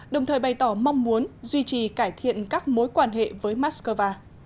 đồng thời bày tỏ mong muốn duy trì cải thiện các mối quan hệ với moscow